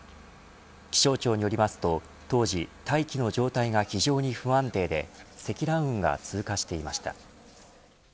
気象庁によりますと、当時大気の状態が非常に不安定で積乱雲が通過していました。